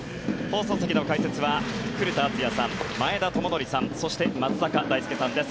放送席の解説は古田敦也さん前田智徳さんそして松坂大輔さんです。